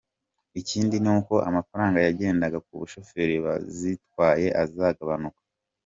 Ikindi ni uko amafaranga yagendaga ku bashoferi bazitwaye azagabanuka.